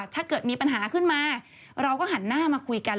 ถ้าเกิดมีปัญหาขึ้นมาเราก็หันหน้ามาคุยกัน